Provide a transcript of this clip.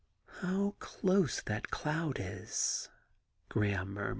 'How close that cloud is I' Graham murmured.